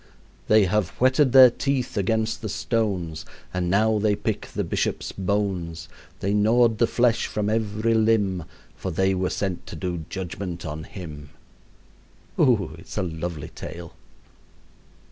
"They have whetted their teeth against the stones, And now they pick the bishop's bones; They gnawed the flesh from every limb, For they were sent to do judgment on him." Oh, it's a lovely tale.